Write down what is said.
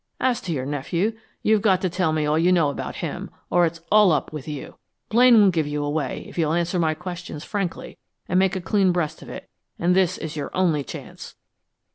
As to your nephew, you've got to tell me all you know about him, or it's all up with you. Blaine won't give you away, if you'll answer my questions frankly and make a clean breast of it, and this is your only chance."